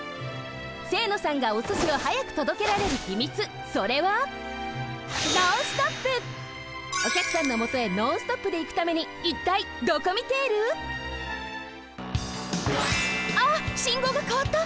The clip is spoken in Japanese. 清野さんがおすしをはやくとどけられるひみつそれはおきゃくさんのもとへノンストップでいくためにいったいドコミテール？あっ信号がかわった！